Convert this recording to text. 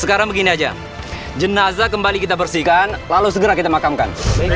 sekarang begini aja jenazah kembali kita bersihkan lalu segera kita makamkan